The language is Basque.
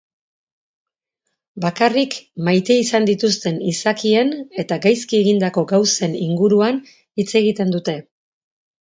Bakarrik maite izan dituzten izakien eta gaizki egindako gauzen inguruan hitz egiten dute.